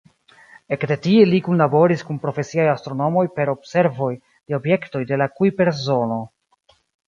Ekde tie li kunlaboris kun profesiaj astronomoj per observoj de objektoj de la Kujper-zono.